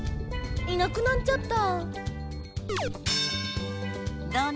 いなくなっちゃった。